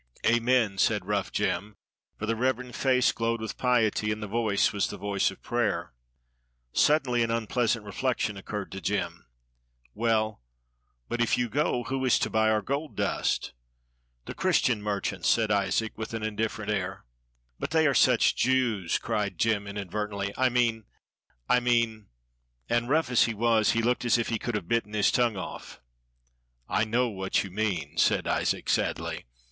"Amen!" said rough Jem; for the reverend face glowed with piety, and the voice was the voice of prayer. Suddenly an unpleasant reflection occurred to Jem. "Well, but if you go, who is to buy our gold dust?" "The Christian merchants," said Isaac, with an indifferent air. "But they are such Jews," cried Jem, inadvertently. "I mean I mean " And rough as he was, he looked as if he could have bitten his tongue off. "I know what you mean," said Isaac, sadly.